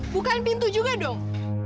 bukain pintu juga dong